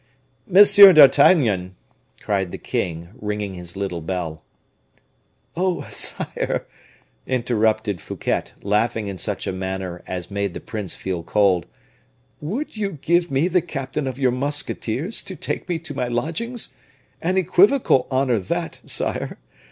"Monsieur d'Artagnan!" cried the king, ringing his little bell. "Oh, sire," interrupted Fouquet, laughing in such a manner as made the prince feel cold, "would you give me the captain of your musketeers to take me to my lodgings? An equivocal honor that, sire!